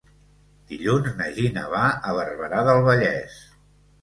Dilluns na Gina va a Barberà del Vallès.